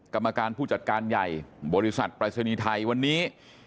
กรรมการผู้จัดการใหญ่บริษัทปรายศนีย์ไทยวันนี้